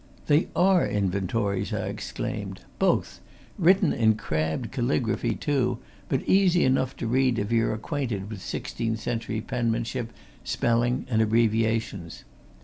"They are inventories!" I exclaimed. "Both. Written in crabbed caligraphy, too, but easy enough to read if you're acquainted with sixteenth century penmanship, spelling and abbreviations.